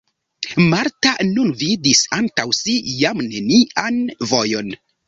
Marta nun vidis antaŭ si jam nenian vojon.